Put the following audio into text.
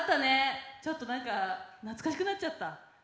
ちょっと懐かしくなっちゃった。